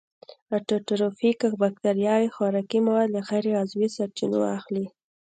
اټوټروفیک باکتریاوې خوراکي مواد له غیر عضوي سرچینو اخلي.